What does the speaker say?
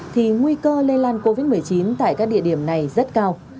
thì nguy cơ lây lan covid một mươi chín tại các địa điểm này rất cao